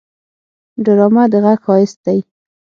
ډرامه د غږ ښايست دی